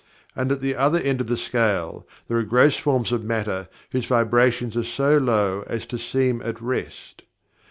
And at the other end of the scale, there are gross forms of matter whose vibrations are so low as to seem at rest.